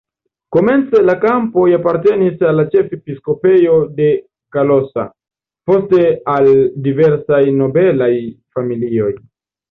Komence la kampoj apartenis al ĉefepiskopejo de Kalocsa, poste al diversaj nobelaj familioj.